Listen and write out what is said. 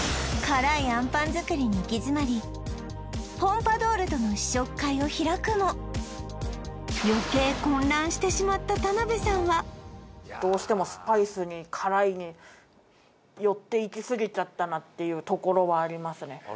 辛いあんぱん作りに行き詰まりポンパドウルとの試食会を開くも余計混乱してしまった田辺さんはどうしてもスパイスにっていうところはありますね